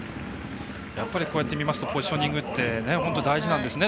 こうやって見ますとポジショニングって本当、大事なんですね。